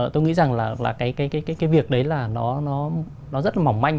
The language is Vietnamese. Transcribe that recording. tôi nghĩ rằng là cái việc đấy là nó rất mỏng manh